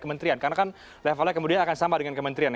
karena kan levelnya kemudian akan sama dengan kementerian